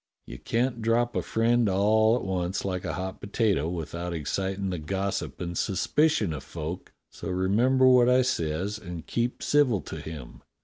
You can't drop a friend all at once like a hot potato without excitin' the gossip and suspicion of folk; so remember what I says and keep civil to him.